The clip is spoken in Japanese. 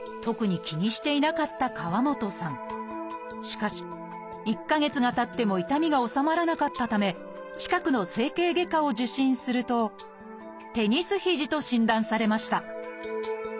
しかし１か月がたっても痛みが治まらなかったため近くの整形外科を受診すると「テニス肘」と診断されました。